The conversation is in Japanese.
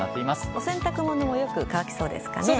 お洗濯物もよく乾きそうですかね。